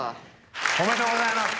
おめでとうございます。